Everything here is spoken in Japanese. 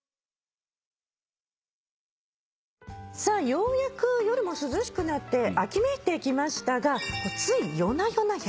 ようやく夜も涼しくなって秋めいてきましたがつい。